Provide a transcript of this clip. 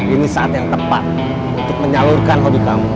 ini saat yang tepat untuk menyalurkan hobi kamu